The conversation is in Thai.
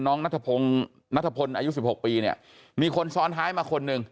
น้องนัทพงศ์นัทพลอายุ๑๖ปีเนี่ยมีคนซ้อนท้ายมาคนหนึ่ง